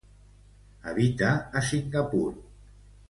Habita a Singapur.